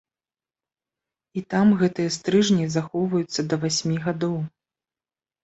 І там гэтыя стрыжні захоўваюцца да васьмі гадоў.